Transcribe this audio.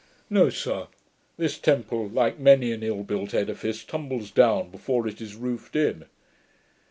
No, sir, this temple, like many an ill built edifice, tumbles down before it is roofed in.'